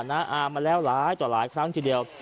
ลุงป้านอามาแล้วหลายต่อหลายครั้งเจอเดียว